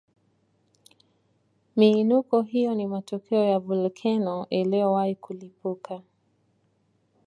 Miinuko hiyo ni matokeo ya volkeno iliyowahi kulipuka